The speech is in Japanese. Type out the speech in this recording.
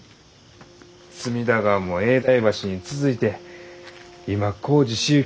隅田川も永代橋に続いて今工事しゆう